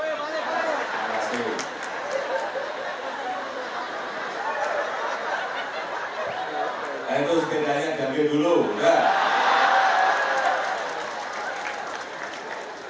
ayo sekian rakyat jangkir dulu udah